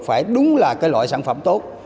phải đúng là cái loại sản phẩm tốt